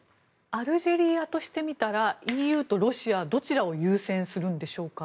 アルジェリアとしてみたらＥＵとロシアはどちらを優先するんでしょうか。